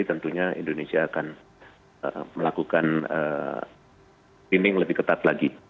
tentunya indonesia akan melakukan screening lebih ketat lagi